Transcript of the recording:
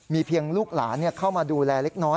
เพียงลูกหลานเข้ามาดูแลเล็กน้อย